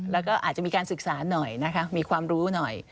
แล้วก็อาจจะมีการศึกษาหน่อยนะคะมีความรู้หน่อย